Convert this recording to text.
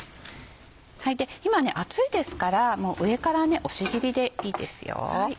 今熱いですから上から押し切りでいいですよ。